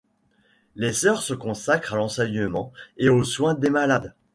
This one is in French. Les sœurs se consacrent à l'enseignement et au soin des malades.